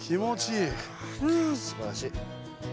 いやすばらしい。